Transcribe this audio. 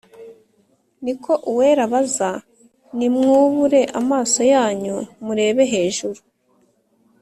ni ko uwera abaza nimwubure amaso yanyu murebe hejuru